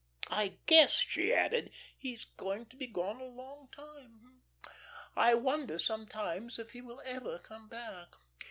I guess," she added, "he's going to be gone a long time. I wonder sometimes if he will ever come back.